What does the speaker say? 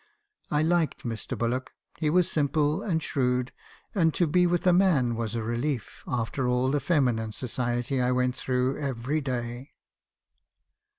"I liked Mr. Bullock. He was simple, and shrewd; and to be with a man was a relief, after all the feminine society I went through every day.